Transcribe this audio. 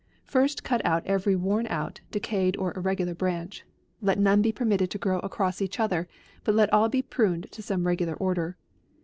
First cut out every worn out, decayed, or irregular branch. Let none be permitted to grow across each other, but let all be pruned to some regular order.